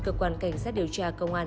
cơ quan cảnh sát điều tra công an